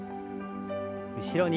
後ろに。